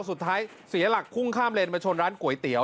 สุดท้ายศรีรักษณ์ภูมิข้ามเรนมาชนร้านก๋วยเตี๋ยว